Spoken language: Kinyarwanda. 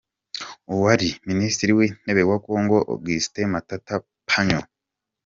Uwari Minisitiri w’Intebe wa Congo Augustin Matata Ponyo